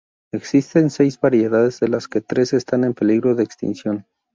Existen seis variedades, de las que tres están en peligro de extinción.